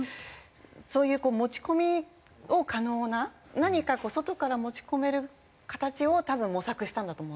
そういう持ち込み可能な何か外から持ち込める形を多分模索したんだと思いますよね。